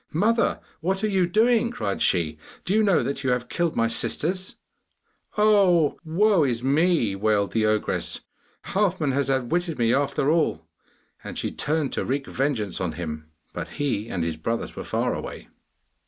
'Mother, what are you doing?' cried she. 'Do you know that you have killed my sisters?' 'Oh, woe is me!' wailed the ogress. 'Halfman has outwitted me after all!' And she turned to wreak vengeance on him, but he and his brothers were far away.